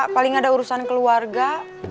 paling ada urusan keluarga